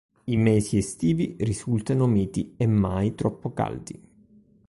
I mesi estivi risultano miti e mai troppo caldi.